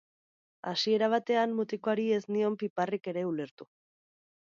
Hasiera batean mutikoari ez nion piparrik ere ulertu.